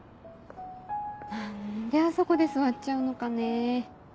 何であそこで座っちゃうのかねぇ。